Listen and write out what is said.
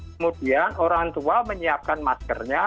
kemudian orang tua menyiapkan maskernya